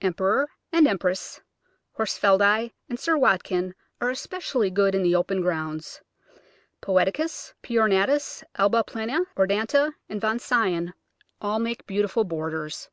Emperor and Empress, Horsfieldi, and Sir Watkin are especially good in the open grounds. Poeticus, P. ornatus, Alba plena, Odorata, and Von Sion all make beautiful borders.